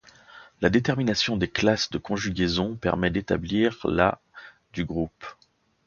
La détermination des classes de conjugaison permet d'établir la du groupe.